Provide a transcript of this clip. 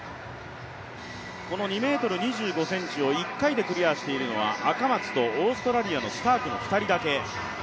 ２ｍ２５ｃｍを１回でクリアしているのは赤松とオーストラリアのスタークの２人だけ。